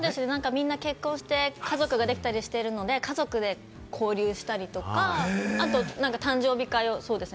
みんな結婚して家族ができたりしてるので、家族で交流したりとか、あと誕生日会を、そうですね。